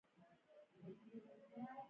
ما وویل: نور نه غواړم د جګړې خبرونه ولولم.